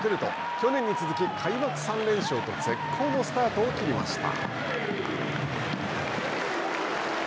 去年に続き開幕３連勝と絶好のスタートを切りました。